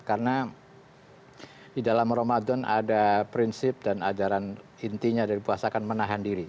karena di dalam ramadan ada prinsip dan ajaran intinya dari puasakan menahan diri